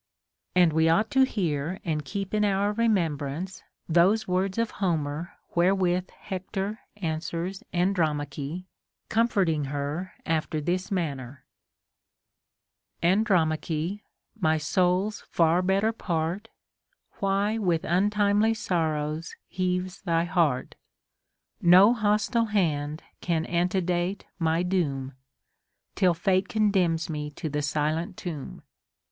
And we ought to hear and keep in our remembrance those words of Homer where with Hector answers Andromache, comforting her after this manner :— Andromaclie, my soul's far better part, Why with untimely sorrows heaves thy heari t No hostile hand can antedate my doom, Till Fate condemns me to the silent tomb.